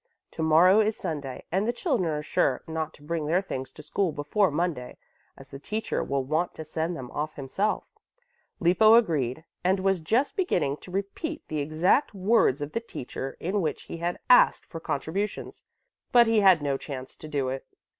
To morrow is Sunday and the children are sure not to bring their things to school before Monday, as the teacher will want to send them off himself." Lippo agreed and was just beginning to repeat the exact words of the teacher in which he had asked for contributions. But he had no chance to do it.